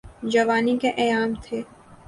جوانی کے ایام تھے۔